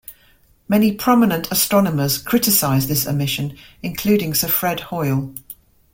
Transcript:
Many prominent astronomers criticised this omission, including Sir Fred Hoyle.